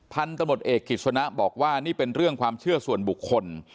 พันธุ์ตำรวจเอกกิจสนะบอกว่านี่เป็นเรื่องความเชื่อส่วนบุคคล